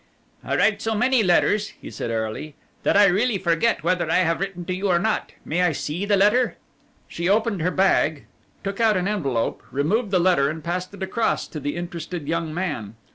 "I write so many letters," he said airily, "that I really forget whether I have written to you or not. May I see the letter?" She opened her bag, took out an envelope, removed the letter and passed it across to the interested young man.